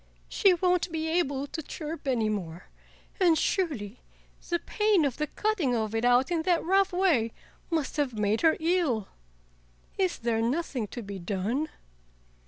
"She won't be able to chirp any more, and surely the pain of the cutting of it out in that rough way must have made her ill! Is there nothing to be done?"